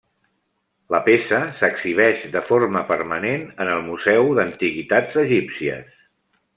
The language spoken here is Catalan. La peça s'exhibeix de forma permanent en el Museu d'Antiguitats Egípcies.